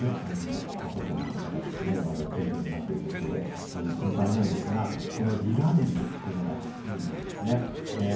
高校生の方がまだ行方不明になっているということで非常に心配なんですが、離岸流というのが注意なんですね。